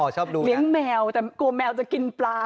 ชอบดูเลี้ยงแมวแต่กลัวแมวจะกินปลา